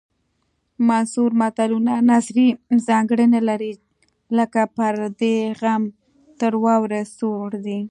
منثور متلونه نثري ځانګړنې لري لکه پردی غم تر واورو سوړ دی